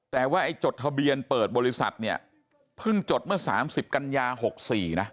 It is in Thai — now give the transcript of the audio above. แต่ว่าไอ้จดทะเบียนเปิดบริษัทเนี่ยเพิ่งจดเมื่อ๓๐กันยา๖๔นะ